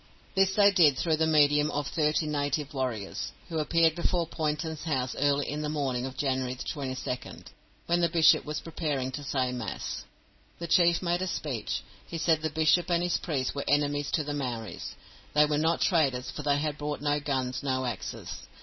This they did through the medium of thirty native warriors, who appeared before Poynton's house early in the morning of January 22nd, when the bishop was preparing to say Mass. The chief made a speech. He said the bishop and his priests were enemies to the Maoris. They were not traders, for they had brought no guns, no axes.